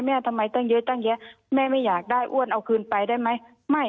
ไม่ผมไม่เอา